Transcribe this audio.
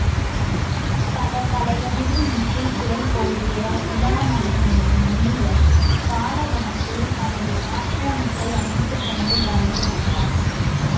பல கலைகளிலும் முற்றித் துறைபோகிய இலாமயன் என்னும் முனிவர் காள வனத்தில் தமது ஆசிரமத்தை அமைத்துக்கொண்டு வாழ்ந்து வந்தார்.